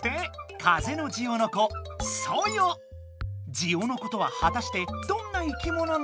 「ジオノコ」とははたしてどんな生きものなのか？